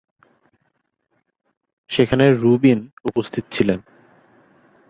সেখানে রুবিন উপস্থিত ছিলেন।